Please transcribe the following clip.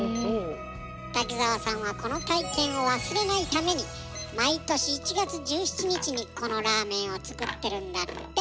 滝澤さんはこの体験を忘れないために毎年１月１７日にこのラーメンを作ってるんだって。